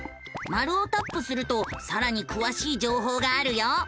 マルをタップするとさらにくわしい情報があるよ。